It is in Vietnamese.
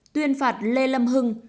tuyên phạt lê lâm hưng